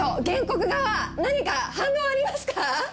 原告側何か反論はありますか？